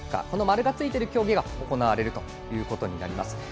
この丸がついている競技が行われることになります。